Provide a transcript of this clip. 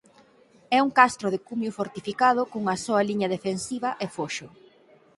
É un castro de cumio fortificado cunha soa liña defensiva e foxo.